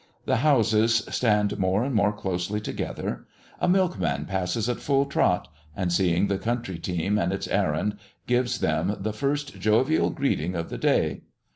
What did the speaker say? The houses stand more and more closely together. A milkman passes at full trot, and, seeing the country team and its errand gives them the first jovial greeting of the day.